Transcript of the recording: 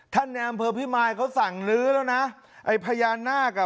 ในอำเภอพิมายเขาสั่งลื้อแล้วนะไอ้พญานาคอ่ะ